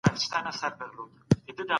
موږ هم هغو ته امان ورکړی دی.